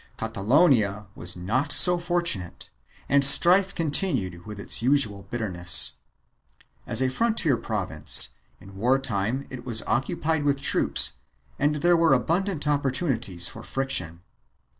3 Cata lonia was not so fortunate and strife continued with the usual bitterness. As a frontier province, in war time it was occupied with troops and there were abundant opportunities for friction.